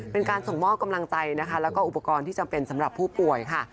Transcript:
เป็นการส่งมอบกำลังใจนะคะแล้วก็อุปกรณ์ที่จำเป็นสำหรับผู้ป่วยค่ะ